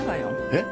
えっ？